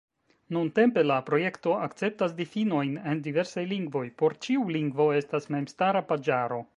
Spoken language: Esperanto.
Nuntempe la projekto akceptas difinojn en diversaj lingvoj: por ĉiu lingvo estas memstara paĝaro.